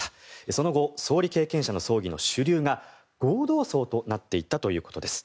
その後総理経験者の葬儀の主流が合同葬となっていったということです。